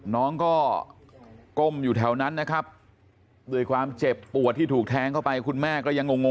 น้องก็ก้มอยู่แถวนั้นนะครับด้วยความเจ็บปวดที่ถูกแทงเข้าไปคุณแม่ก็ยังงง